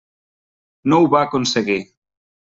No ho va aconseguir.